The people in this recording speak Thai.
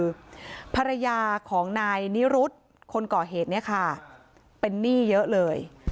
คือภรรยาของนายนิรุธคนก่อเหตุเนี่ยค่ะเป็นหนี้เยอะเลย